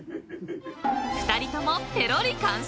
［２人ともペロリ完食！］